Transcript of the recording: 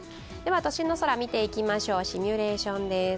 都心の空、見ていきましょう、シミュレーションです。